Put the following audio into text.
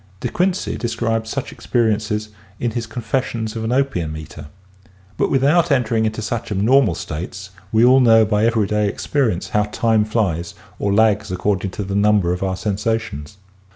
De Quincey describes such experiences in his " Confessions of an Opium Eater." But without entering into such abnormal states we all know by everyday experience how time flies or lags according to the number of our sensations.